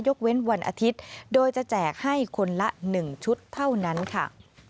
เว้นวันอาทิตย์โดยจะแจกให้คนละ๑ชุดเท่านั้นค่ะ